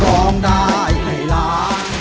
ร้องได้ให้ล้าน